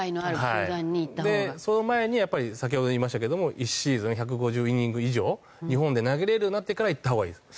その前にやっぱり先ほど言いましたけども１シーズン１５０イニング以上日本で投げれるようになってから行ったほうがいいです。